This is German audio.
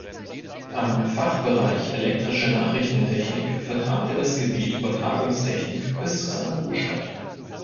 Am Fachbereich Elektrische Nachrichtentechnik vertrat er das Gebiet Übertragungstechnik bis zu seinem Ruhestand.